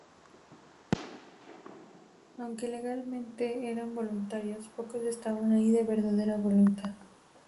Aunque legalmente eran voluntarios, pocos estaban allí de verdadera voluntad.